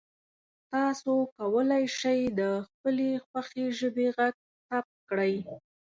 تاسو کولی شئ د خپلې خوښې ژبې غږ ثبت کړئ.